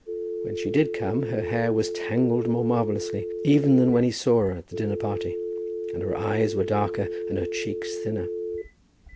When she did come, her hair was tangled more marvellously even than when he saw her at the dinner party, and her eyes were darker, and her cheeks thinner.